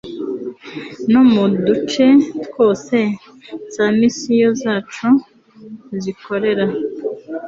no mu duce twose za misiyoni zacu zikorera